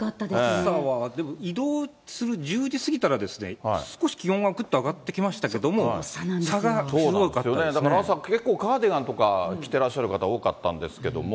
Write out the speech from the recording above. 朝は、でも移動する１０時過ぎたら、少し気温がぐっと上がってきましたけれども、だから朝、結構、カーディガンとか着てらっしゃる方、多かったんですけれども。